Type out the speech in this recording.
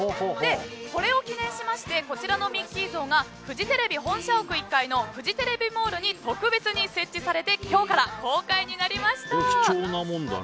これを記念しましてこちらのミッキー像がフジテレビ本社屋１階のフジテレビモールに特別に設置されて今日から公開になりました。